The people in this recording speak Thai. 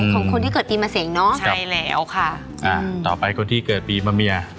ของคนที่เกิดปีมะเสงเนอะใช่แล้วค่ะอ่าต่อไปคนที่เกิดปีมะเมีย